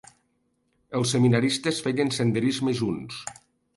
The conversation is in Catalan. Els seminaristes feien senderisme junts.